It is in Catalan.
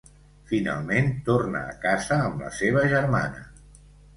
Finalment, torna a casa amb la seva germana.